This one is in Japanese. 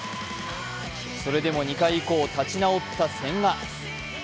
それでも２回以降、立ち直った千賀。